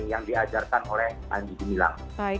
yang diajarkan oleh panji gumilang